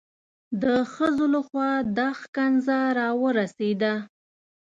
د ښځو لخوا دا ښکنځا را ورسېده.